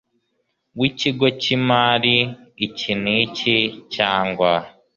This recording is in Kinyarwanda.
w ikigo cy imari iki n iki cyangwa